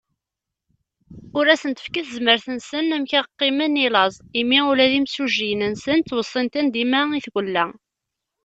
Ur asen-tefki tezmert-nsen amek ad qqimen i laẓ, imi ula d imsujjiyen-nsen ttwessin-ten dima i tgella.